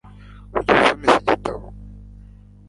Wigeze usoma iki gitabo